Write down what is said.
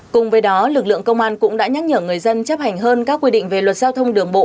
cùng với đó lực lượng công an cũng đã nhắc nhở người dân chấp hành hơn các quy định về luật giao thông đường bộ